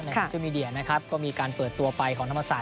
ในทีมวิดีโอกาสมีการเปิดตัวไปของธรรมศาสตร์